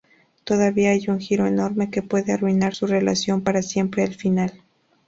Todavía hay un giro enorme que puede arruinar su relación para siempre al final.